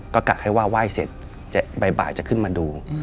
ก็กะให้ว่าไหว้เสร็จจะบ่ายบ่ายจะขึ้นมาดูอืม